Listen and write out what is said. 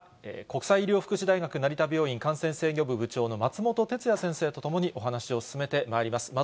ここからは、国際医療福祉大学成田病院感染制御部部長の松本哲哉先生とともに、お話を進めてまいります。